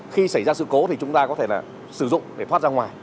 khi xảy ra sự cố thì chúng ta có thể là sử dụng để thoát ra ngoài